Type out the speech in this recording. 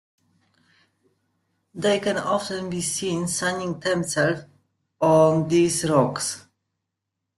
They can often be seen sunning themselves on these rocks.